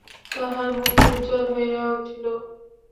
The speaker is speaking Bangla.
তাঁহার মুখ উজ্জ্বল হইয়া উঠিল।